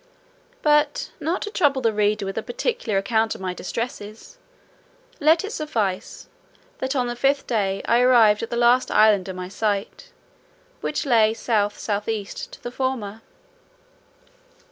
But, not to trouble the reader with a particular account of my distresses, let it suffice, that on the fifth day I arrived at the last island in my sight, which lay south south east to the former.